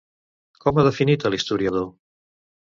Com ha definit a l'historiador?